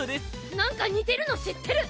なんか似てるの知ってる！